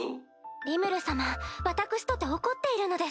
リムル様私とて怒っているのです。